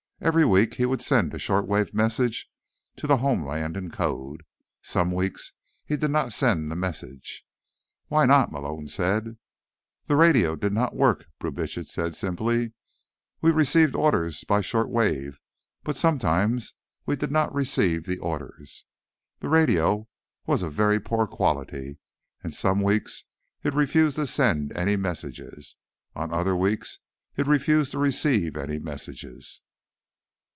"Every week he would send a short wave message to the homeland, in code. Some weeks he did not send the message." "Why not?" Malone said. "The radio did not work," Brubitsch said simply. "We received orders by short wave, but sometimes we did not receive the orders. The radio was of very poor quality, and some weeks it refused to send any messages. On other weeks, it refused to receive any messages."